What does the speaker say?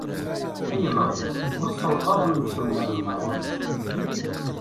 Ay Ameɣlal, ur ssawaḍ ara imcumen ɣer lmerɣub-nsen!